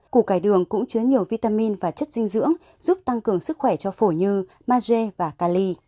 củ cải đường cũng chứa nhiều vitamin và chất dinh dưỡng giúp tăng cường sức khỏe cho phổi như maze và cali